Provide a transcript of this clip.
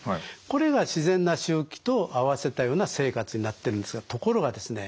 これが自然な周期と合わせたような生活になってるんですがところがですね